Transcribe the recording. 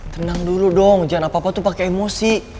tenang dulu dong jangan apa apa tuh pakai emosi